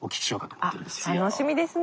楽しみですね。